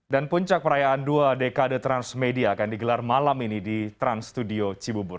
dan puncak perayaan dua dekade transmedia akan digelar malam ini di trans studio cibubur